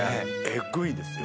エグいですよ。